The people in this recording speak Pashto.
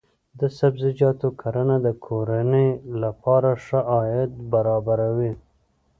د سبزیجاتو کرنه د کورنۍ لپاره ښه عاید برابروي.